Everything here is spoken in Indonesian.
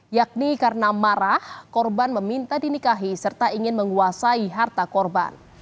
yakni karena marah korban meminta dinikahi serta ingin menguasai harta korban